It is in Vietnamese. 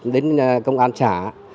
đến công an xã